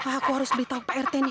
aku harus beritahu pak rt nih